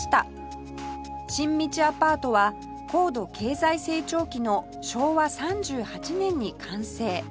新道アパートは高度経済成長期の昭和３８年に完成